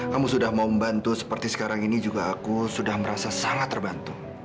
kamu sudah mau membantu seperti sekarang ini juga aku sudah merasa sangat terbantu